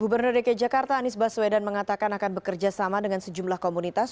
gubernur dki jakarta anies baswedan mengatakan akan bekerja sama dengan sejumlah komunitas